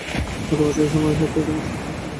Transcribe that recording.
গত বছর এই সময়ে হাসপাতালে রোগীর সংখ্যা কম ছিল।